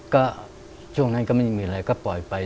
ก็ช่วงนั้นก็ไม่มีอะไรก็ปล่อยไป